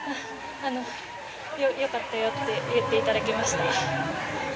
良かったよって言っていただきました。